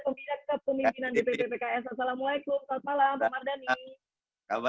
ada didi kurniasa direktur kepolitika opinion yang baru saja merilis survei mengenai bagaimana kiranya kabinet ini sama